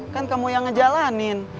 kan kamu yang ngejalanin